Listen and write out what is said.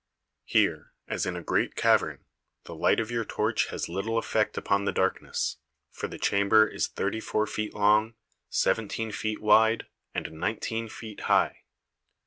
Here, as in a great cavern, the light of your torch has little effect upon the darkness, for the chamber is thirty four feet long, seventeen feet wide, and nineteen feet high.